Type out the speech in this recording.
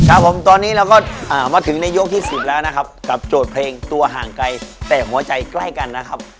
ครับผมตอนนี้เราก็มาถึงในยกที่๑๐แล้วนะครับกับโจทย์เพลงตัวห่างไกลแต่หัวใจใกล้กันนะครับ